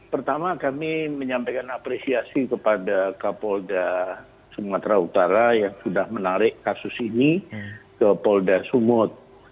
pertama kami menyampaikan apresiasi kepada kapolda sumatera utara yang sudah menarik kasus ini ke polda sumut